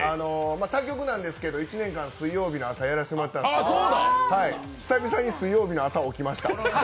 他局なんですけど１年間、水曜日の朝やらせてもらったんですけど久々に水曜日の朝、起きました。